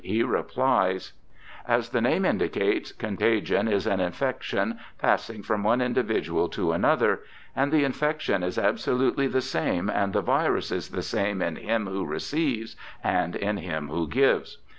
he replies: 'As the name indicates, contagion is an infection passing from one individual to another', and the infection is absolutely the same and the virus is the same in him who receives and in him who gives.